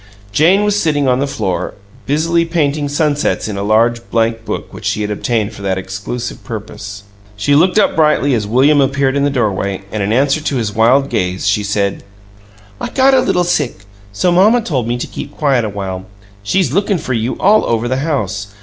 Jane was sitting on the floor, busily painting sunsets in a large blank book which she had obtained for that exclusive purpose. She looked up brightly as William appeared in the doorway, and in answer to his wild gaze she said: "I got a little bit sick, so mamma told me to keep quiet a while. She's lookin' for you all over the house.